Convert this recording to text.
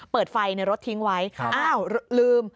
เปิดไฟในรถทิ้งไว้อ้าวลืม